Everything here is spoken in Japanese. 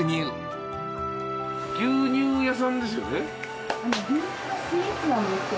牛乳屋さんですよね？